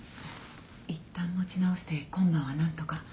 いったん持ち直して今晩は何とか。